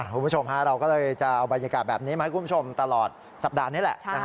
คุณผู้ชมเราก็เลยจะเอาบรรยากาศแบบนี้มาให้คุณผู้ชมตลอดสัปดาห์นี้แหละ